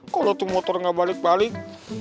kalo tuh motor gak balik balik